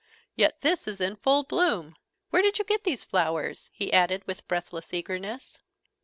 Yet this is in full bloom! Where did you get these flowers?" he added with breathless eagerness.